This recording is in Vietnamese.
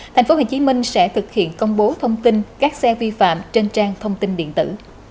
tp hcm sẽ thực hiện công bố thông tin các xe vi phạm trên trang thông tin điện tử